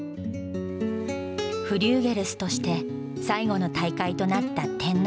フリューゲルスとして最後の大会となった天皇杯。